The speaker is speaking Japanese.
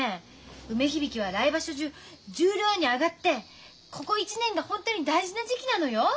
梅響は来場所十両に上がってここ一年がホントに大事な時期なのよ！